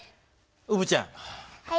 うぶちゃん。